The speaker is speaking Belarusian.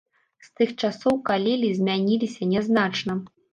З тых часоў калелі змяніліся нязначна.